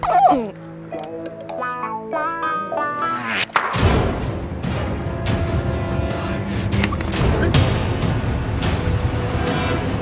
โอเค